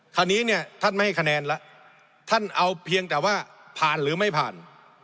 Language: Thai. คราวนี้เนี่ยท่านไม่ให้คะแนนแล้วท่านเอาเพียงแต่ว่าผ่านหรือไม่ผ่าน